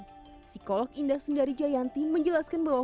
psikolog indah sundari jayanti menjelaskan bahwa